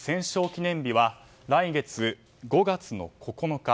記念日は来月５月９日。